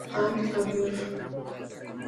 Am I a Girl?